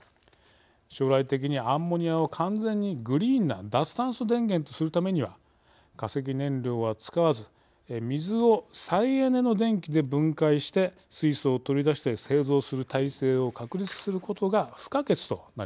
将来的にアンモニアを完全にグリーンな脱炭素電源とするためには化石燃料は使わず水を再エネの電気で分解して水素を取り出して製造する体制を確立することが不可欠となります。